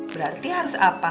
berarti harus apa